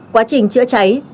quá trình chữa cháy